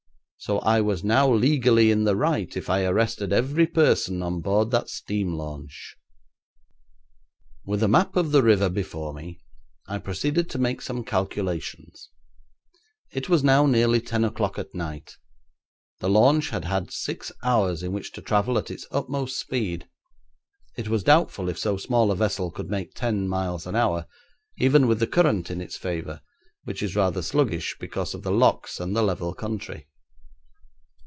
So I was now legally in the right if I arrested every person on board that steam launch. With a map of the river before me I proceeded to make some calculations. It was now nearly ten o'clock at night. The launch had had six hours in which to travel at its utmost speed. It was doubtful if so small a vessel could make ten miles an hour, even with the current in its favour, which is rather sluggish because of the locks and the level country.